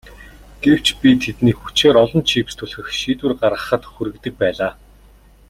Гэвч би тэднийг хүчээр олон чипс түлхэх шийдвэр гаргахад хүргэдэг байлаа.